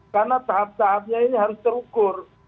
karena tahap tahapnya ini harus terukur